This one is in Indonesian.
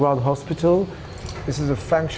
ini adalah hospital yang berfungsi